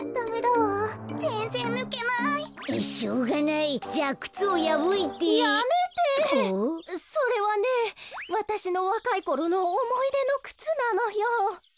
わたしのわかいころのおもいでのくつなのよ。